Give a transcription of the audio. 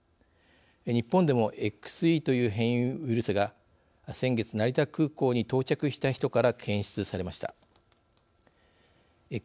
日本でもＸＥという変異ウイルスが先月、成田空港に到着した人から検出されました。